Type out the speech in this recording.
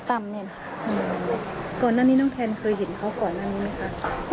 ตอนนั้นนี่น้องแพนเคยเห็นเขาก่อนแล้วไหมค่ะ